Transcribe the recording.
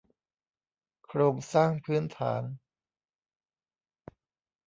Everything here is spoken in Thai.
โครงสร้างพื้นฐาน